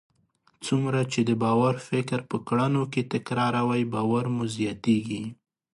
څومره چې د باور فکر په کړنو کې تکراروئ، باور مو زیاتیږي.